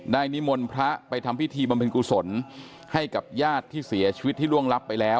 นิมนต์พระไปทำพิธีบำเพ็ญกุศลให้กับญาติที่เสียชีวิตที่ล่วงลับไปแล้ว